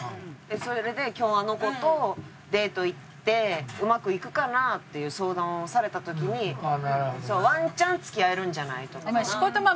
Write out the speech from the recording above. それで今日あの子とデート行ってうまくいくかな？っていう相談をされた時に「ワンチャン付き合えるんじゃない？」とか。